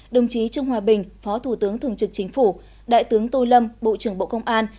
đồng chí trương hòa bình phó thủ tướng thường trực chính phủ đại tướng tô lâm bộ trưởng bộ công an